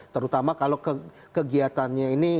terutama kalau kegiatannya ini